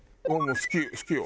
好き？